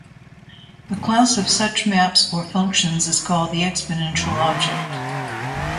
The class of such maps or functions is called the exponential object.